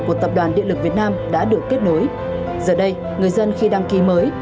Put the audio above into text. của tập đoàn điện lực việt nam đã được kết nối giờ đây người dân khi đăng ký mới